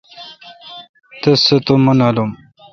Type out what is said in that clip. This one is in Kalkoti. تس سہ تو مہ نالم۔